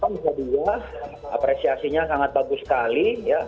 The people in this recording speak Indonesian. jadi ya apresiasinya sangat bagus sekali ya